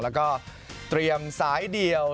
แล้วก็เตรียมสายเดี่ยว